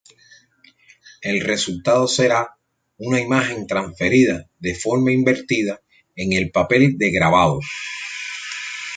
El resultado será una imagen transferida de forma invertida en el papel de grabado.